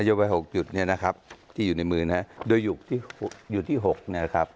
นโยบาย๖หยุดเนี่ยนะครับที่อยู่ในมือนะฮะโดยอยู่ที่๖นะครับ